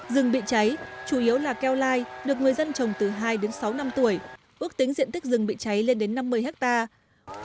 rừng bị cháy chủ yếu là keo lai được người dân trồng từ hai đến sáu năm tuổi ước tính diện tích rừng bị cháy lên đến năm mươi hectare